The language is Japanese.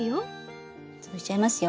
潰しちゃいますよ。